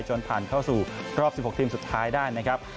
จนผ่านเข้าสู่รอบ๑๖ทีมสุดท้ายได้นะครับ